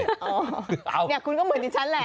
เนี่ยคุณก็เหมือนดิฉันแหละ